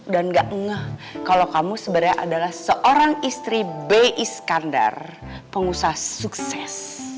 dan gak ngeh kalau kamu sebenarnya adalah seorang istri b iskandar pengusaha sukses